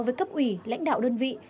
với cấp ủy lãnh đạo đơn vị